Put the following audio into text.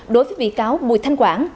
đối với bị cáo bùi thanh quảng